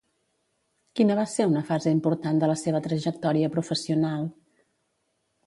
Quina va ser una fase important de la seva trajectòria professional?